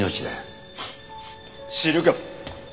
知るか！